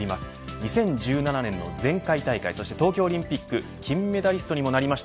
２０１７年の前回大会そして東京オリンピック金メダリストにもなりました